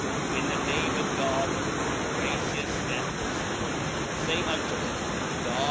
TN the name of God , gracions and •nercj.l] Say unto ^rhem God.